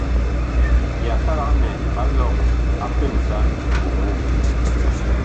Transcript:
Yakalak nɛ ɓa lɔg a pemsan miɓɔŋgo.